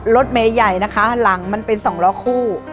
รถเมย์ใหญ่นะคะหลังมันเป็น๒ล้อคู่